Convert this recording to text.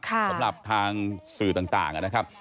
สำหรับทางสื่อต่างนะครับ